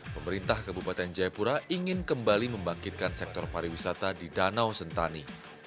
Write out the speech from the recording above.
pemerintah kabupaten jayapura ingin kembali membangkitkan sektor pariwisata di danau sentani